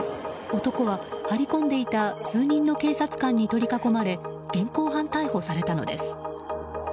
男は、張り込んでいた数人の警察官に取り囲まれ現行犯逮捕されたのです。